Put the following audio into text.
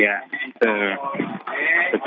lalu itu sudah ya